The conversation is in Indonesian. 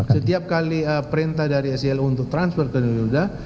setiap kali perintah dari slo untuk transfer ke garuda